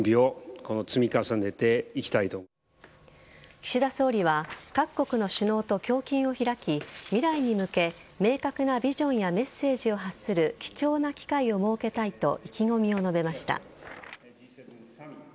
岸田総理は各国の首脳と胸襟を開き未来に向け明確なビジョンやメッセージを発する貴重な機会を設けたいと意気込みを述べました。